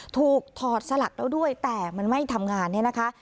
ถอดสลักแล้วด้วยแต่มันไม่ทำงานเนี่ยนะคะ